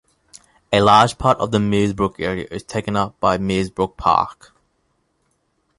A large part of the Meersbrook area is taken up by Meersbrook Park.